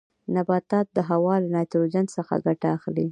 نباتات د هوا له نایتروجن څخه ګټه اخلي.